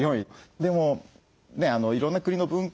でもいろんな国の文化の差